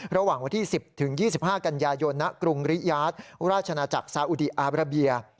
ระหว่างวันที่๑๐๒๕กันยายนณกรุงริยาทราชนาจักรซาอุดีอาบราเบีย